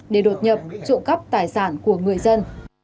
để đột nhập trộm cắp tài sản của người dân